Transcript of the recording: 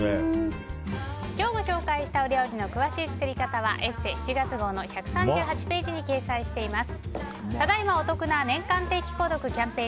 今日ご紹介したお料理の詳しい作り方は「ＥＳＳＥ」７月号の１３８ページに掲載しています。